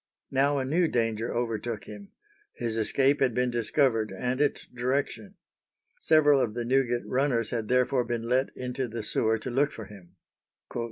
Now a new danger overtook him: his escape had been discovered and its direction. Several of the Newgate runners had therefore been let into the sewer to look for him.